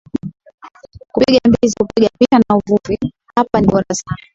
Kupiga mbizi kupiga picha na uvuvi hapa ni bora sana